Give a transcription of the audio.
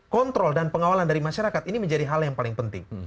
kontrol dan pengawalan dari masyarakat ini menjadi hal yang paling penting